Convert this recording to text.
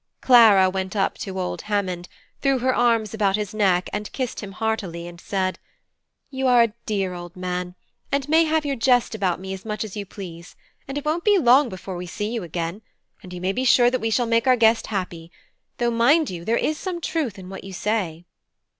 Clara went up to old Hammond, threw her arms about his neck and kissed him heartily, and said: "You are a dear old man, and may have your jest about me as much as you please; and it won't be long before we see you again; and you may be sure we shall make our guest happy; though, mind you, there is some truth in what you say."